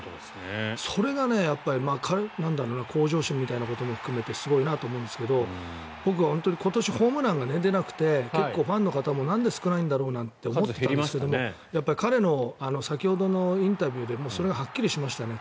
それが向上心みたいなことも含めてすごいなと思うんですけど僕は今年ホームランが出なくて結構ファンの方もなんで少ないんだろうと思ったんですけど彼の先ほどのインタビューでもそれがはっきりしましたね。